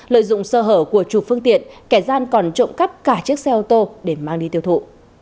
lợi dụng sơ hở của chủ phương tiện kẻ gian còn trộm cắp cả chiếc xe ô tô để mang đi tiêu thụ